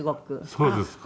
そうですか？